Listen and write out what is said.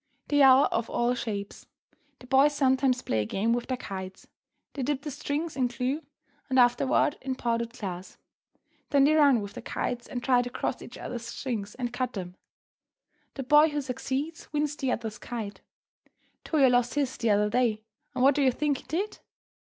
They are of all shapes. The boys sometimes play a game with their kites. They dip the strings in glue and afterward in powdered glass; then they run with the kites and try to cross each other's strings and cut them. The boy who succeeds wins the other's kite. Toyo lost his the other day, and what do you think he did?